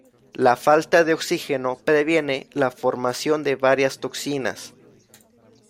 La falta de oxígeno previene la formación de varias toxinas.